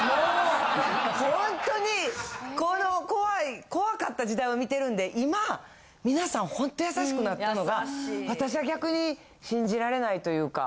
ホントにこの怖い怖かった時代を見てるんで今皆さんホント優しくなったのが私は逆に信じられないというか。